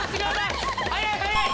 早い早い！